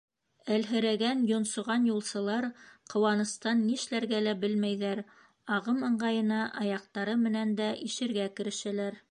Әлһерәгән, йонсоған юлсылар ҡыуаныстан нишләргә лә белмәйҙәр: ағым ыңғайына аяҡтары менән дә ишергә керешәләр.